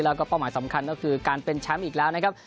แล้วก็เป้าหมายสำคัญก็คือการเป็นแชมป์อีกแล้วนะครับ